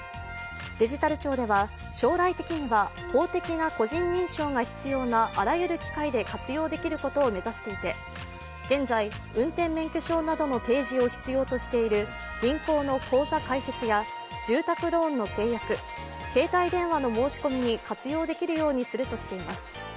デジタル庁では、将来的には公的な個人認証が必要なあらゆる機会で活用できることを目指していて現在、運転免許証などの提示を必要としている銀行の口座開設や住宅ローンの契約、携帯電話の申し込みに活用できるようにするとしています。